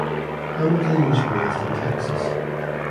Hamilton was raised in Texas.